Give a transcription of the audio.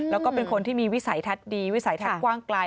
แล้วก็เป็นคนที่มีวิสัยทัศน์ดีวิสัยทัศน์กว้างไกล